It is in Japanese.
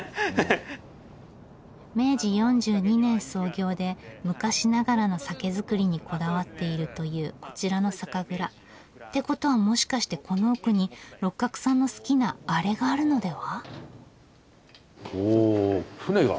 明治４２年創業で昔ながらの酒造りにこだわっているというこちらの酒蔵。ってことはもしかしてこの奥に六角さんの好きなあれがあるのでは。